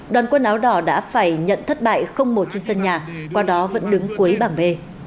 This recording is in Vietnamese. đoàn quân áo đỏ đã phải nhận thất bại không một trên sân nhà qua đó vẫn đứng cuối bảng b